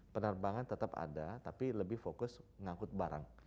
penerbangan tetap ada tapi lebih fokus ngangkut barang